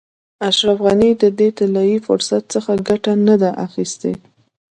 اشرف غني د دې طلایي فرصت څخه ښه ګټه نه ده اخیستې.